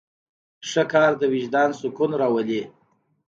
ښه کار د وجدان سکون راولي.